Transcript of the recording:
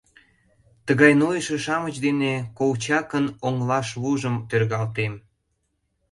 Тыгай нойышо-шамыч дене Колчакын оҥылашлужым тӧргалтем!..